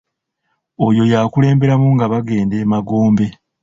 Oyo y'akulemberamu nga bagenda e magombe.